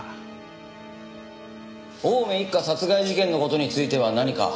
青梅一家殺害事件の事については何か？